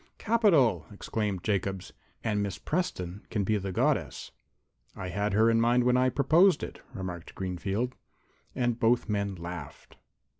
"Capital!" exclaimed Jacobs. "And Miss Preston can be the Goddess." "I had her in mind when I proposed it," remarked Greenfield. And both men laughed.